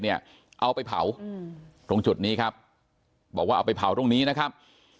เอาไปเผาตรงจุดนี้ครับบอกว่าเอาไปเผาตรงนี้นะครับ